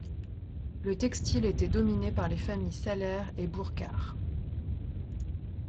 Le textile était dominé par les familles Sahler et Bourcard.